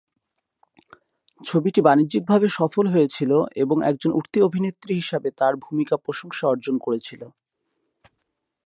ছবিটি বাণিজ্যিকভাবে সফল হয়েছিল এবং একজন উঠতি অভিনেত্রী হিসাবে তার ভূমিকা প্রশংসা অর্জন করেছিল।